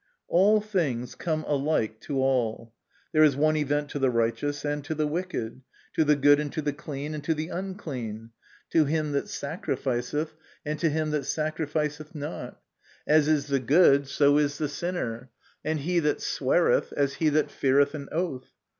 ..." All things come alike to all : there is one event to the righteous, and to the wicked ; to MY CONFESSION. 61 the good and to the clean, and to the unclean ; to him that sacrificeth, and to him that sacri ficeth not : as is the good, so is the sinner ; and he that sweareth, as he that feareth an oath.